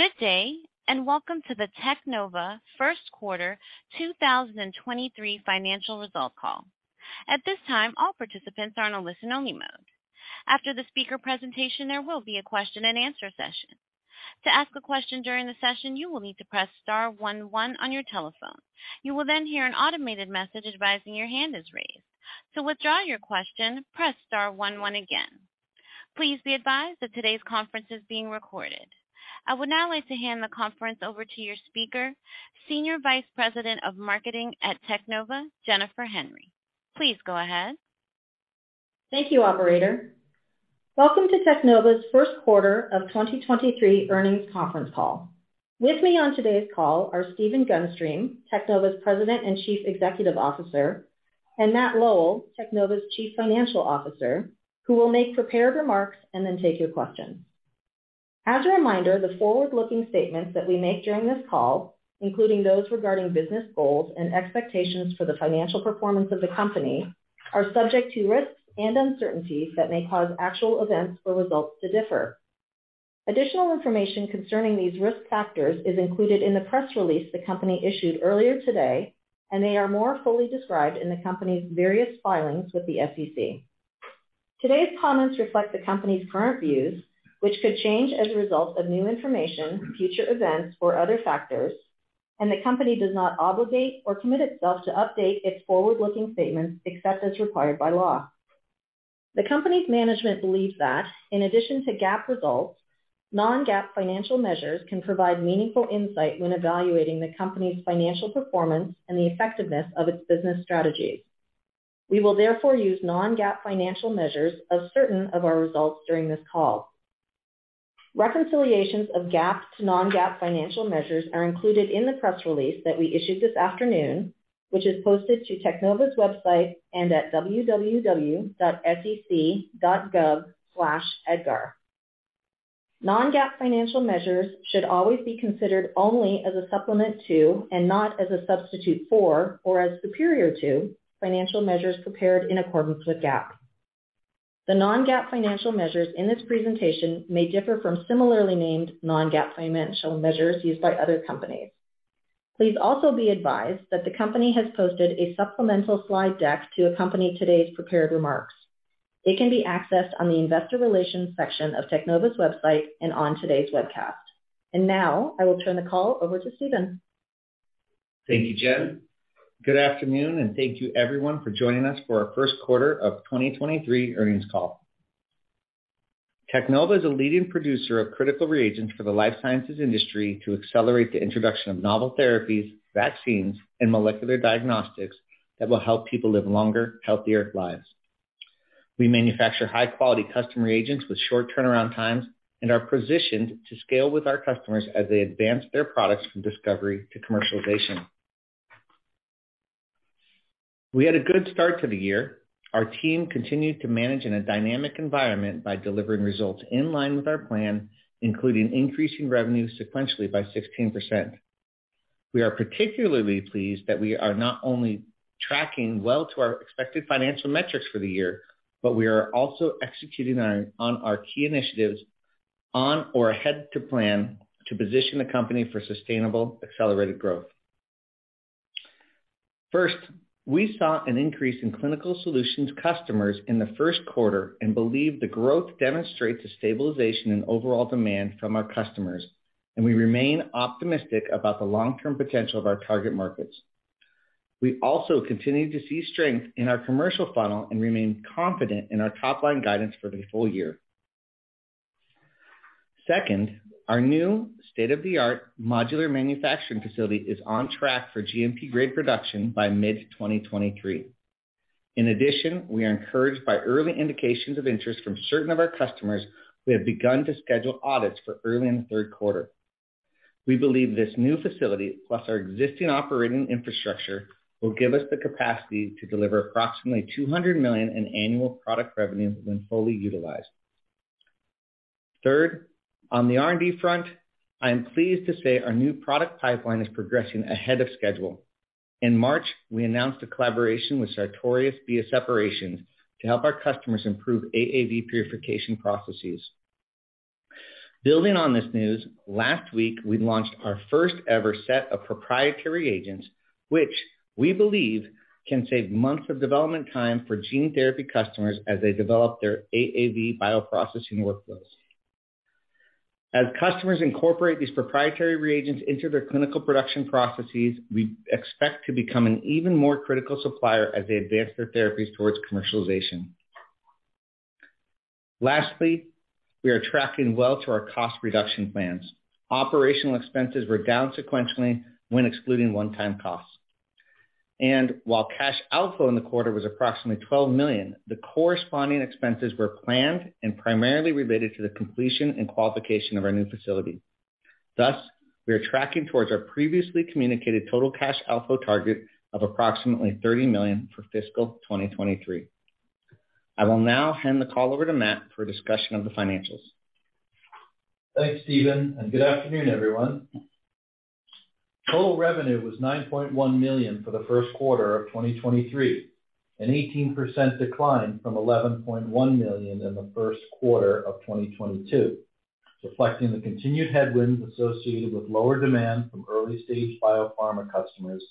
Good day, and welcome to the Teknova First Quarter 2023 Financial Results Call. At this time, all participants are on a listen-only mode. After the speaker presentation, there will be a question-and-answer session. To ask a question during the session, you will need to press star one one on your telephone. You will then hear an automated message advising your hand is raised. To withdraw your question, press star one one again. Please be advised that today's conference is being recorded. I would now like to hand the conference over to your speaker, Senior Vice President of Marketing at Teknova, Jennifer Henry. Please go ahead. Thank you, operator. Welcome to Teknova's first quarter of 2023 earnings conference call. With me on today's call are Stephen Gunstream, Teknova's President and Chief Executive Officer, and Matt Lowell, Teknova's Chief Financial Officer, who will make prepared remarks and then take your questions. As a reminder, the forward-looking statements that we make during this call, including those regarding business goals and expectations for the financial performance of the company, are subject to risks and uncertainties that may cause actual events or results to differ. Additional information concerning these risk factors is included in the press release the company issued earlier today. They are more fully described in the company's various filings with the SEC. Today's comments reflect the company's current views, which could change as a result of new information, future events, or other factors, and the company does not obligate or commit itself to update its forward-looking statements except as required by law. The company's management believes that in addition to GAAP results, non-GAAP financial measures can provide meaningful insight when evaluating the company's financial performance and the effectiveness of its business strategies. We will therefore use non-GAAP financial measures of certain of our results during this call. Reconciliations of GAAP to non-GAAP financial measures are included in the press release that we issued this afternoon, which is posted to Teknova's website and at www.sec.gov/EDGAR. Non-GAAP financial measures should always be considered only as a supplement to, and not as a substitute for or as superior to financial measures prepared in accordance with GAAP. The non-GAAP financial measures in this presentation may differ from similarly named non-GAAP financial measures used by other companies. Please also be advised that the company has posted a supplemental slide deck to accompany today's prepared remarks. It can be accessed on the investor relations section of Teknova's website and on today's webcast. Now I will turn the call over to Stephen. Thank you, Jen. Good afternoon, and thank you everyone for joining us for our first quarter of 2023 earnings call. Teknova is a leading producer of critical reagents for the life sciences industry to accelerate the introduction of novel therapies, vaccines, and molecular diagnostics that will help people live longer, healthier lives. We manufacture high-quality custom reagents with short turnaround times and are positioned to scale with our customers as they advance their products from discovery to commercialization. We had a good start to the year. Our team continued to manage in a dynamic environment by delivering results in line with our plan, including increasing revenue sequentially by 16%. We are particularly pleased that we are not only tracking well to our expected financial metrics for the year, but we are also executing on our key initiatives on or ahead to plan to position the company for sustainable, accelerated growth. First, we saw an increase in Clinical Solutions customers in the first quarter and believe the growth demonstrates a stabilization in overall demand from our customers, and we remain optimistic about the long-term potential of our target markets. We also continue to see strength in our commercial funnel and remain confident in our top-line guidance for the full year. Second, our new state-of-the-art modular manufacturing facility is on track for GMP-grade production by mid 2023. In addition, we are encouraged by early indications of interest from certain of our customers who have begun to schedule audits for early in the third quarter. We believe this new facility, plus our existing operating infrastructure, will give us the capacity to deliver approximately $200 million in annual product revenue when fully utilized. Third, on the R&D front, I am pleased to say our new product pipeline is progressing ahead of schedule. In March, we announced a collaboration with Sartorius BIA Separations to help our customers improve AAV purification processes. Building on this news, last week we launched our first ever set of proprietary agents, which we believe can save months of development time for gene therapy customers as they develop their AAV bioprocessing workflows. As customers incorporate these proprietary reagents into their clinical production processes, we expect to become an even more critical supplier as they advance their therapies towards commercialization. Lastly, we are tracking well to our cost reduction plans. Operational expenses were down sequentially when excluding one-time costs. While cash outflow in the quarter was approximately $12 million, the corresponding expenses were planned and primarily related to the completion and qualification of our new facility. We are tracking towards our previously communicated total cash outflow target of approximately $30 million for fiscal 2023. I will now hand the call over to Matt for a discussion of the financials. Thanks, Stephen, and good afternoon, everyone. Total revenue was $9.1 million for the first quarter of 2023, an 18% decline from $11.1 million in the first quarter of 2022, reflecting the continued headwinds associated with lower demand from early-stage biopharma customers,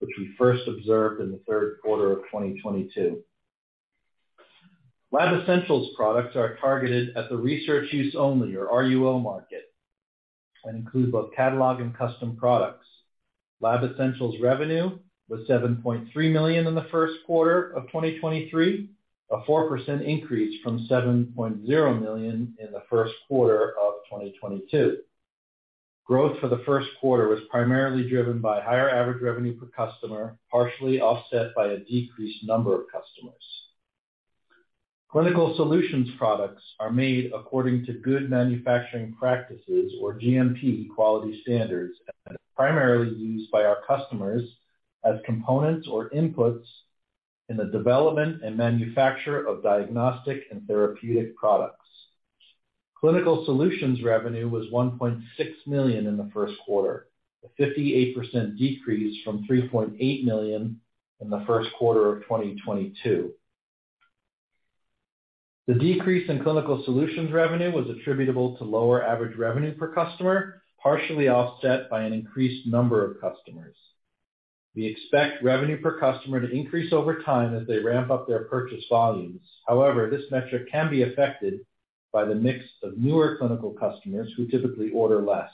which we first observed in the third quarter of 2022. Lab Essentials products are targeted at the research use only or RUO market and include both catalog and custom products. Lab Essentials revenue was $7.3 million in the first quarter of 2023, a 4% increase from $7.0 million in the first quarter of 2022. Growth for the first quarter was primarily driven by higher average revenue per customer, partially offset by a decreased number of customers. Clinical Solutions products are made according to good manufacturing practices or GMP quality standards and are primarily used by our customers as components or inputs in the development and manufacture of diagnostic and therapeutic products. Clinical Solutions revenue was $1.6 million in the first quarter, a 58% decrease from $3.8 million in the first quarter of 2022. The decrease in Clinical Solutions revenue was attributable to lower average revenue per customer, partially offset by an increased number of customers. We expect revenue per customer to increase over time as they ramp up their purchase volumes. However, this metric can be affected by the mix of newer clinical customers who typically order less.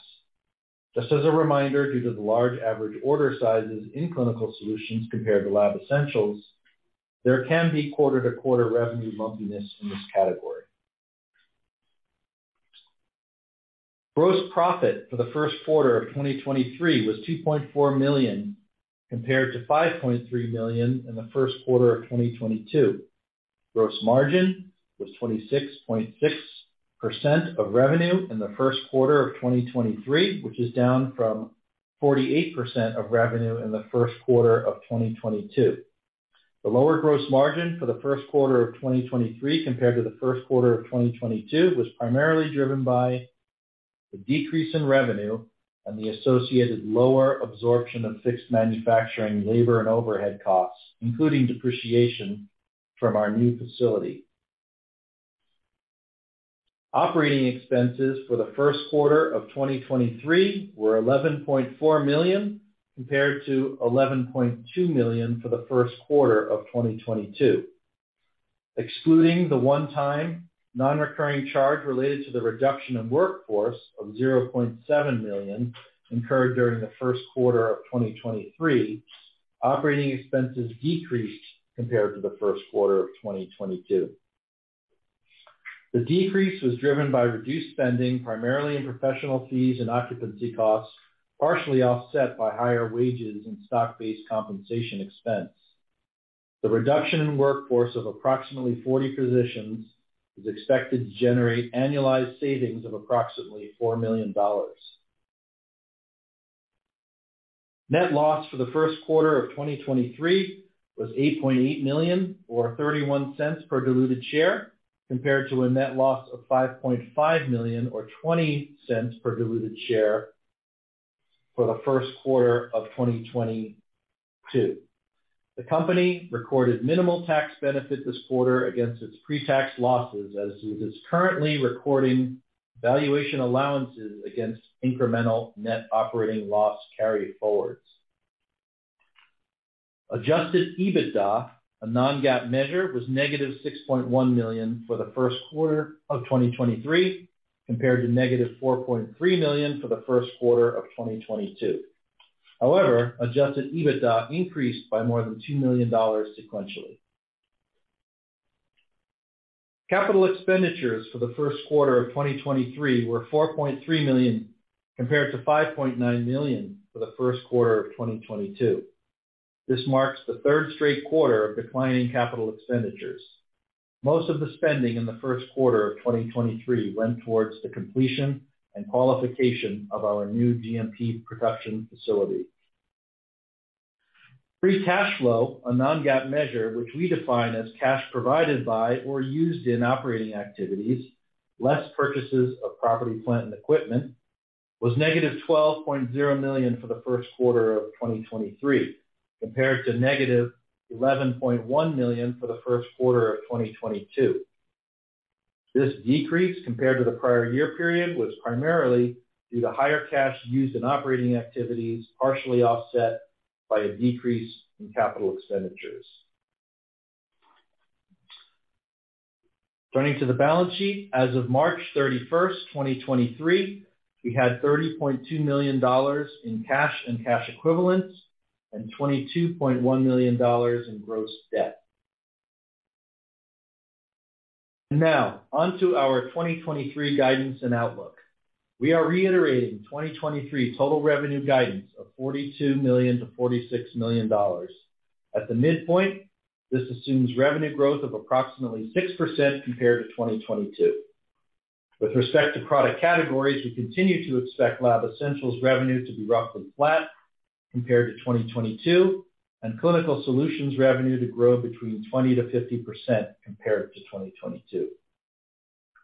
Just as a reminder, due to the large average order sizes in Clinical Solutions compared to Lab Essentials, there can be quarter-to-quarter revenue lumpiness in this category. Gross profit for the first quarter of 2023 was $2.4 million, compared to $5.3 million in the first quarter of 2022. Gross margin was 26.6% of revenue in the first quarter of 2023, which is down from 48% of revenue in the first quarter of 2022. The lower gross margin for the first quarter of 2023 compared to the first quarter of 2022 was primarily driven by the decrease in revenue and the associated lower absorption of fixed manufacturing labor and overhead costs, including depreciation from our new facility. Operating expenses for the first quarter of 2023 were $11.4 million, compared to $11.2 million for the first quarter of 2022. Excluding the one-time non-recurring charge related to the reduction in workforce of $0.7 million incurred during the first quarter of 2023, operating expenses decreased compared to the first quarter of 2022. The decrease was driven by reduced spending, primarily in professional fees and occupancy costs, partially offset by higher wages and stock-based compensation expense. The reduction in workforce of approximately 40 positions is expected to generate annualized savings of approximately $4 million. Net loss for the first quarter of 2023 was $8.8 million or $0.31 per diluted share, compared to a net loss of $5.5 million or $0.20 per diluted share for the first quarter of 2022. The company recorded minimal tax benefit this quarter against its pre-tax losses, as it is currently recording valuation allowances against incremental net operating loss carryforwards. Adjusted EBITDA, a non-GAAP measure, was -$6.1 million for the first quarter of 2023, compared to -$4.3 million for the first quarter of 2022. Adjusted EBITDA increased by more than $2 million sequentially. Capital expenditures for the first quarter of 2023 were $4.3 million, compared to $5.9 million for the first quarter of 2022. This marks the third straight quarter of declining capital expenditures. Most of the spending in the first quarter of 2023 went towards the completion and qualification of our new GMP production facility. Free cash flow, a non-GAAP measure, which we define as cash provided by or used in operating activities, less purchases of property, plant, and equipment, was negative $12.0 million for the first quarter of 2023, compared to negative $11.1 million for the first quarter of 2022. This decrease compared to the prior year period was primarily due to higher cash used in operating activities, partially offset by a decrease in capital expenditures. Turning to the balance sheet, as of March 31st, 2023, we had $30.2 million in cash and cash equivalents and $22.1 million in gross debt. Now, on to our 2023 guidance and outlook. We are reiterating 2023 total revenue guidance of $42 million-$46 million. At the midpoint, this assumes revenue growth of approximately 6% compared to 2022. With respect to product categories, we continue to expect Lab Essentials revenue to be roughly flat compared to 2022, and Clinical Solutions revenue to grow between 20%-50% compared to 2022.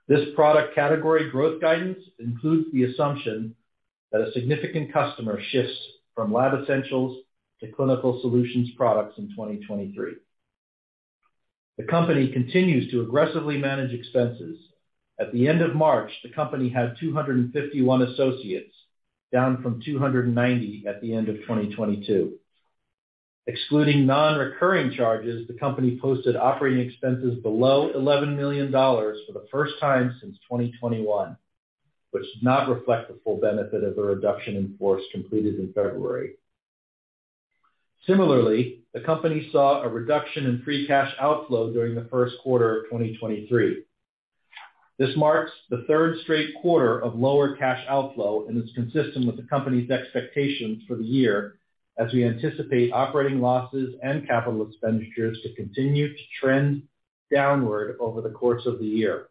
This product category growth guidance includes the assumption that a significant customer shifts from Lab Essentials to Clinical Solutions products in 2023. The company continues to aggressively manage expenses. At the end of March, the company had 251 associates, down from 290 at the end of 2022. Excluding non-recurring charges, the company posted operating expenses below $11 million for the first time since 2021, which does not reflect the full benefit of the reduction in force completed in February. Similarly, the company saw a reduction in free cash outflow during the first quarter of 2023. This marks the third straight quarter of lower cash outflow and is consistent with the company's expectations for the year as we anticipate operating losses and capital expenditures to continue to trend downward over the course of the year.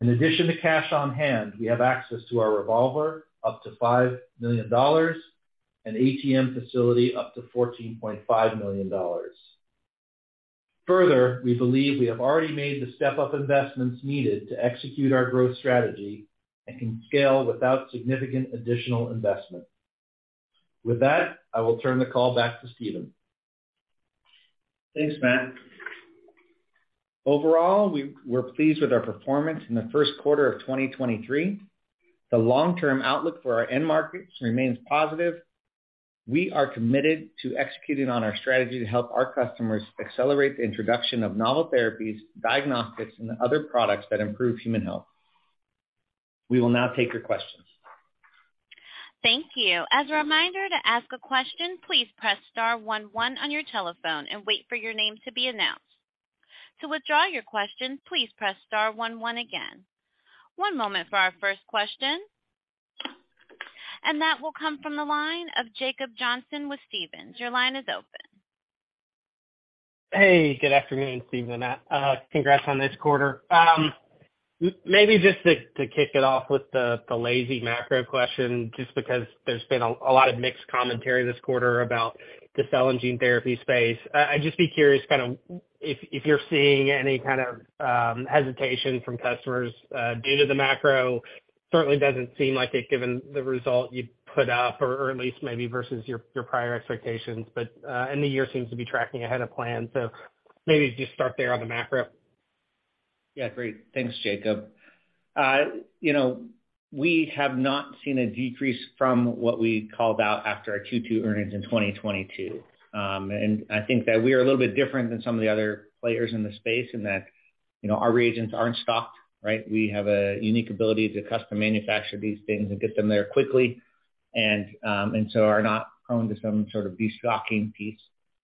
In addition to cash on hand, we have access to our revolver, up to $5 million, and ATM facility up to $14.5 million. We believe we have already made the step-up investments needed to execute our growth strategy and can scale without significant additional investment. With that, I will turn the call back to Stephen. Thanks, Matt. Overall, we're pleased with our performance in the first quarter of 2023. The long-term outlook for our end markets remains positive. We are committed to executing on our strategy to help our customers accelerate the introduction of novel therapies, diagnostics, and other products that improve human health. We will now take your questions. Thank you. As a reminder to ask a question, please press star one one on your telephone and wait for your name to be announced. To withdraw your question, please press star one one again. One moment for our first question. That will come from the line of Jacob Johnson with Stephens. Your line is open. Hey, good afternoon, Stephen. congrats on this quarter. maybe just to kick it off with the lazy macro question, just because there's been a lot of mixed commentary this quarter about the cell and gene therapy space. I'd just be curious kind of if you're seeing any kind of hesitation from customers due to the macro. Certainly doesn't seem like it, given the result you put up, or at least maybe versus your prior expectations. And the year seems to be tracking ahead of plan. Maybe just start there on the macro. Yeah, great. Thanks, Jacob. you know, we have not seen a decrease from what we called out after our two two earnings in 2022. I think that we are a little bit different than some of the other players in the space in that, you know, our reagents aren't stocked, right? We have a unique ability to custom manufacture these things and get them there quickly and are not prone to some sort of destocking piece.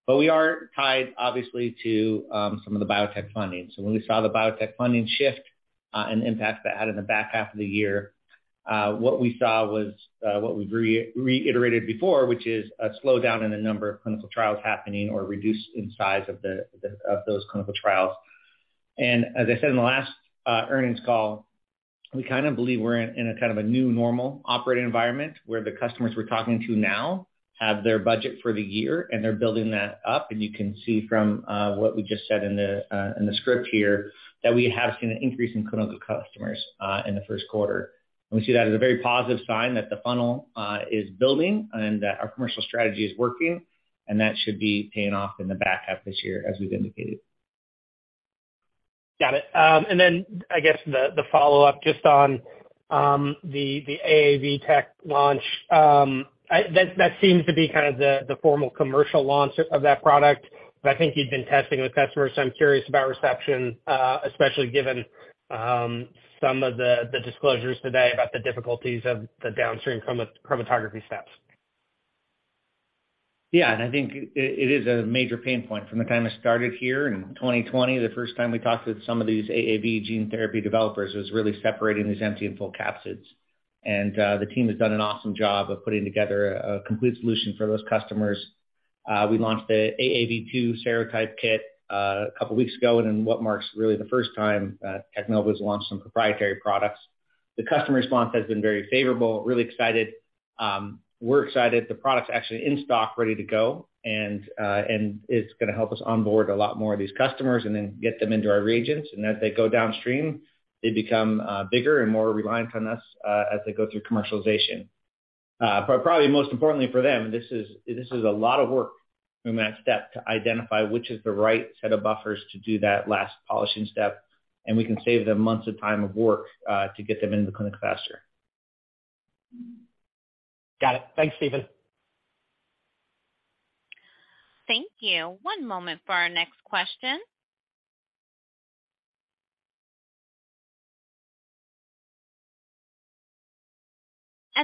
We are tied obviously to some of the biotech funding. When we saw the biotech funding shift, and the impact that had in the back half of the year, what we saw was, what we've reiterated before, which is a slowdown in the number of clinical trials happening or reduced in size of the, of those clinical trials. As I said in the last earnings call, we kind of believe we're in a kind of a new normal operating environment where the customers we're talking to now have their budget for the year, and they're building that up. You can see from what we just said in the script here that we have seen an increase in clinical customers in the first quarter. We see that as a very positive sign that the funnel is building and that our commercial strategy is working, and that should be paying off in the back half this year as we've indicated. Got it. I guess the follow-up just on the AAV-Tek launch. That seems to be kind of the formal commercial launch of that product. I think you've been testing with customers, so I'm curious about reception, especially given some of the disclosures today about the difficulties of the downstream chromatography steps. Yeah. I think it is a major pain point. From the time I started here in 2020, the first time we talked with some of these AAV gene therapy developers was really separating these empty and full capsids. The team has done an awesome job of putting together a complete solution for those customers. We launched the AAV2 serotype kit a couple weeks ago, and in what marks really the first time Teknova's launched some proprietary products. The customer response has been very favorable, really excited. We're excited. The product's actually in stock, ready to go, and it's gonna help us onboard a lot more of these customers and then get them into our reagents. As they go downstream, they become bigger and more reliant on us as they go through commercialization. Probably most importantly for them, this is a lot of work in that step to identify which is the right set of buffers to do that last polishing step, and we can save them months of time of work, to get them into the clinic faster. Got it. Thanks, Stephen. Thank you. One moment for our next question.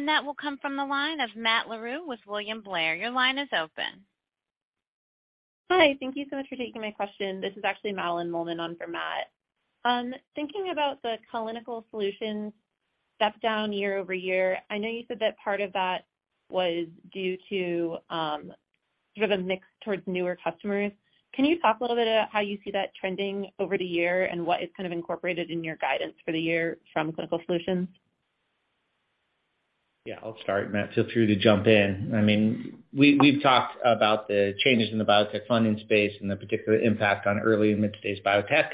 That will come from the line of Matt Larew with William Blair. Your line is open. Hi. Thank you so much for taking my question. This is actually Madeline Mollman on for Matt. Thinking about the Clinical Solutions step down year-over-year, I know you said that part of that was due to, sort of a mix towards newer customers. Can you talk a little bit about how you see that trending over the year and what is kind of incorporated in your guidance for the year from Clinical Solutions? Yeah, I'll start, Matt. Feel free to jump in. I mean, we've talked about the changes in the biotech funding space and the particular impact on early and mid-stage biotech,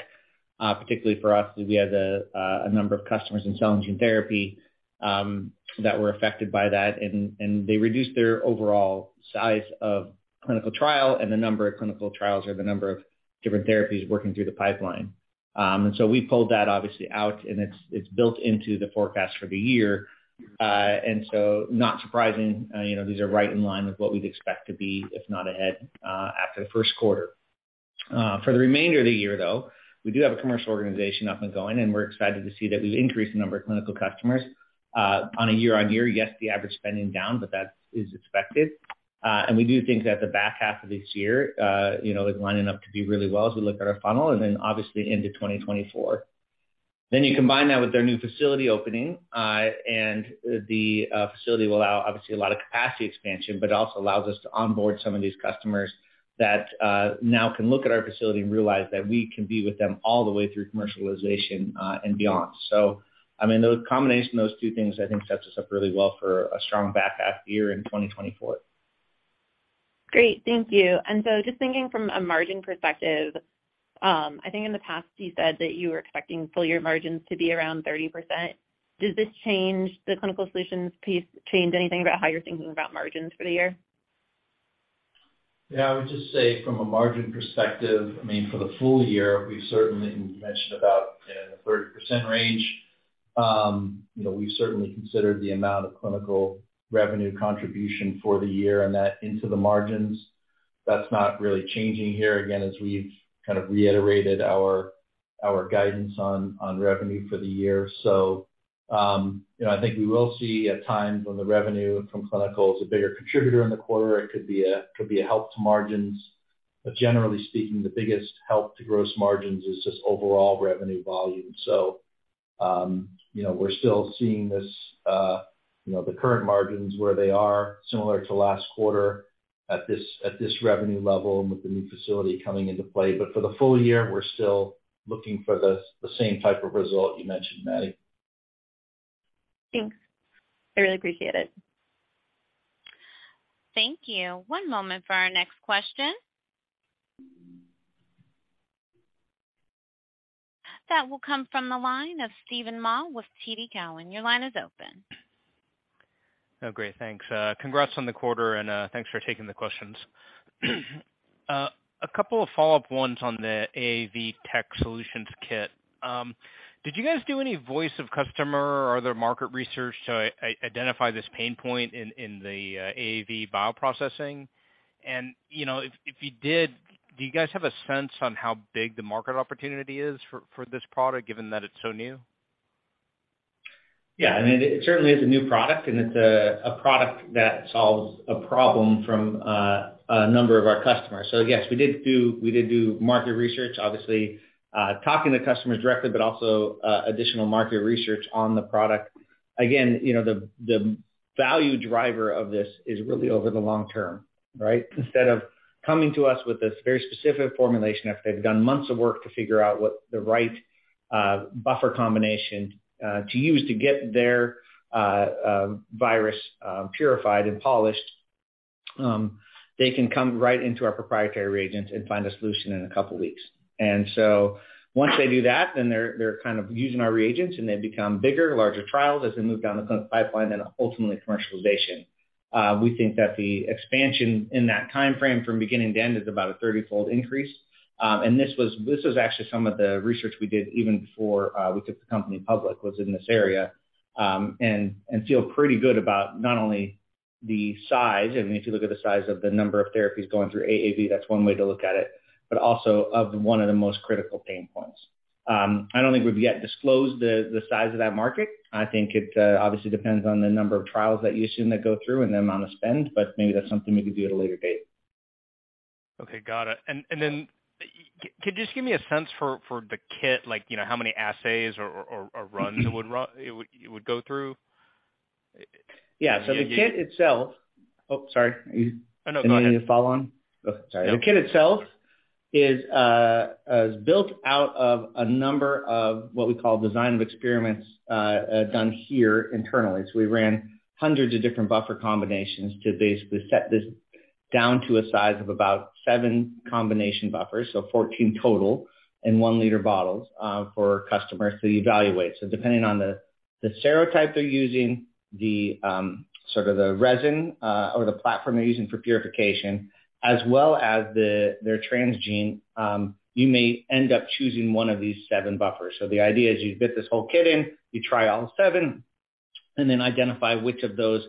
particularly for us, we have a number of customers in cell and gene therapy that were affected by that. They reduced their overall size of clinical trial and the number of clinical trials or the number of different therapies working through the pipeline. We pulled that obviously out, and it's built into the forecast for the year. Not surprising, you know, these are right in line with what we'd expect to be, if not ahead, after the first quarter. For the remainder of the year, though, we do have a commercial organization up and going, and we're excited to see that we've increased the number of clinical customers on a year-over-year. Yes, the average spending down, but that is expected. We do think that the back half of this year, you know, is lining up to be really well as we look at our funnel and obviously into 2024. You combine that with our new facility opening, and the facility will allow obviously a lot of capacity expansion, but also allows us to onboard some of these customers that now can look at our facility and realize that we can be with them all the way through commercialization and beyond. I mean, the combination of those two things, I think sets us up really well for a strong back half year in 2024. Great. Thank you. Just thinking from a margin perspective, I think in the past you said that you were expecting full year margins to be around 30%. Does this change the Clinical Solutions piece, change anything about how you're thinking about margins for the year? I would just say from a margin perspective, for the full year, we certainly mentioned in the 30% range. You know, we've certainly considered the amount of clinical revenue contribution for the year and that into the margins. That's not really changing here, again, as we've kind of reiterated our guidance on revenue for the year. You know, I think we will see at times when the revenue from clinical is a bigger contributor in the quarter, it could be a help to margins. Generally speaking, the biggest help to gross margins is just overall revenue volume. You know, we're still seeing this, you know, the current margins where they are similar to last quarter at this revenue level and with the new facility coming into play. For the full year, we're still looking for the same type of result you mentioned, Maddie. Thanks. I really appreciate it. Thank you. One moment for our next question. That will come from the line of Steven Mah with TD Cowen. Your line is open. Oh, great. Thanks. Congrats on the quarter, and thanks for taking the questions. A couple of follow-up ones on the AAV-Tek Solutions kit. Did you guys do any voice of customer or other market research to identify this pain point in the AAV bioprocessing? You know, if you did, do you guys have a sense on how big the market opportunity is for this product, given that it's so new? Yeah. I mean, it certainly is a new product, and it's a product that solves a problem from a number of our customers. Yes, we did do market research, obviously, talking to customers directly, but also additional market research on the product. Again, you know, the value driver of this is really over the long term, right? Instead of coming to us with this very specific formulation after they've done months of work to figure out what the right buffer combination to use to get their virus purified and polished, they can come right into our proprietary reagents and find a solution in a couple weeks. Once they do that, then they're kind of using our reagents, and they become bigger, larger trials as we move down the clinical pipeline and ultimately commercialization. We think that the expansion in that timeframe from beginning to end is about a 30-fold increase. This was actually some of the research we did even before, we took the company public, was in this area, and feel pretty good about not only the size, and if you look at the size of the number of therapies going through AAV, that's one way to look at it, but also of one of the most critical pain points. I don't think we've yet disclosed the size of that market. I think it obviously depends on the number of trials that you assume that go through and the amount of spend, but maybe that's something we could do at a later date. Okay. Got it. Could you just give me a sense for the kit, like, you know, how many assays or runs it would go through? Yeah. the kit itself. Oh, sorry. Oh, no. Go ahead. You need to follow on? Sorry. The kit itself is built out of a number of what we call design of experiments done here internally. We ran hundreds of different buffer combinations to basically set this down to a size of about seven combination buffers, so 14 total in one liter bottles for customers to evaluate. Depending on the serotype they're using, the sort of the resin or the platform they're using for purification, as well as the their transgene, you may end up choosing one of these seven buffers. The idea is you get this whole kit in, you try all seven and then identify which of those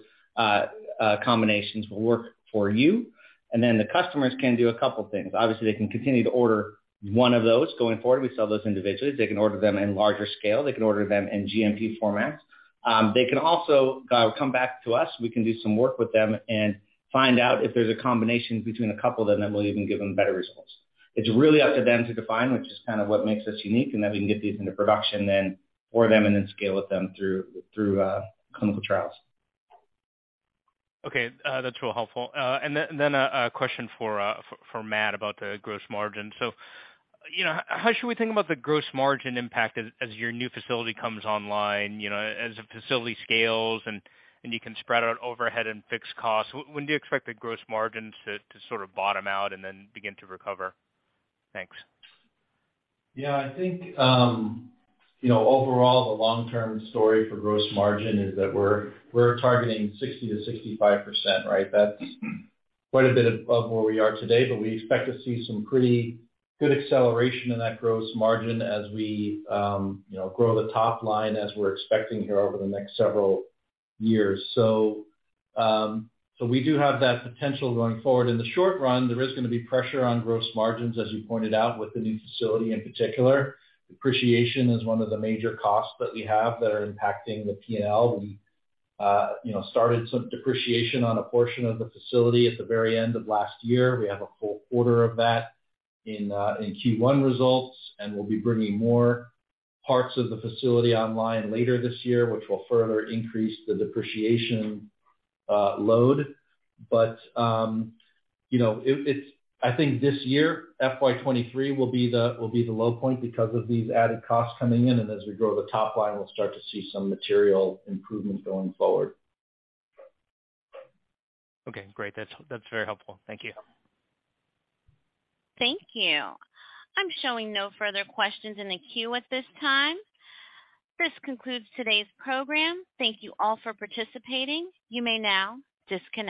combinations will work for you. Then the customers can do a couple things. Obviously, they can continue to order one of those going forward. We sell those individually. They can order them in larger scale. They can order them in GMP formats. They can also come back to us. We can do some work with them and find out if there's a combination between a couple of them that will even give them better results. It's really up to them to define, which is kind of what makes us unique, and then we can get these into production then for them and then scale with them through clinical trials. Okay. That's real helpful. A question for Matt about the gross margin. You know, how should we think about the gross margin impact as your new facility comes online, you know, as the facility scales and you can spread out overhead and fixed costs? When do you expect the gross margins to sort of bottom out and then begin to recover? Thanks. Yeah. I think, you know, overall the long-term story for gross margin is that we're targeting 60%-65%, right? That's quite a bit of where we are today, but we expect to see some pretty good acceleration in that gross margin as we, you know, grow the top line as we're expecting here over the next several years. We do have that potential going forward. In the short run, there is gonna be pressure on gross margins, as you pointed out, with the new facility in particular. Depreciation is one of the major costs that we have that are impacting the P&L. We, you know, started some depreciation on a portion of the facility at the very end of last year. We have a full quarter of that in Q1 results. We'll be bringing more parts of the facility online later this year, which will further increase the depreciation load. You know, I think this year, FY 2023 will be the low point because of these added costs coming in. As we grow the top line, we'll start to see some material improvement going forward. Okay, great. That's very helpful. Thank you. Thank you. I'm showing no further questions in the queue at this time. This concludes today's program. Thank you all for participating. You may now disconnect.